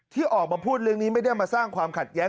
ที่ออกมาพูดเรื่องนี้ไม่ได้มาสร้างความขัดแย้ง